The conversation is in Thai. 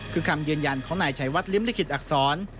คือคำยืนยันของนายชัยวัดริมลิขิตอักษร